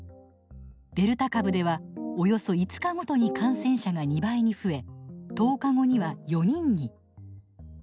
デルタ株ではおよそ５日ごとに感染者が２倍に増え１０日後には４人に。